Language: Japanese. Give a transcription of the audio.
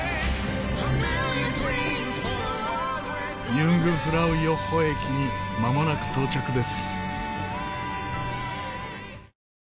ユングフラウヨッホ駅にまもなく到着です。